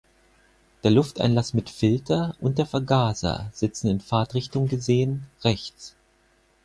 Der Lufteinlass mit Filter und der Vergaser sitzen in Fahrtrichtung gesehen rechts.